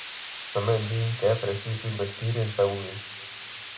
Tamén din que é preciso investir en saúde.